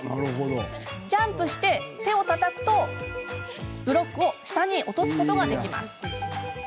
ジャンプして手をたたくとブロックを下に落とすことができます。